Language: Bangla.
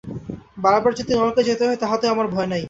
বার বার যদি নরকে যাইতে হয়, তাহাতেও আমার ভয় নাই।